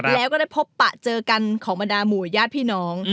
แล้วก็ได้พบปะเจอกันของบรรดาหมู่ญาติพี่น้อง